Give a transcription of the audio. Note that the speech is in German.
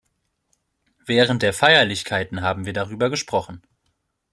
Während der Feierlichkeiten haben wir darüber gesprochen.